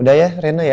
udah ya renah ya